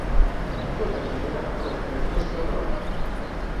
Tot ens ajuda, però és que és tot alhora.